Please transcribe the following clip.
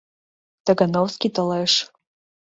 Тагановский толеш.